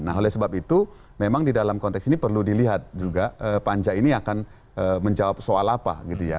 nah oleh sebab itu memang di dalam konteks ini perlu dilihat juga panja ini akan menjawab soal apa gitu ya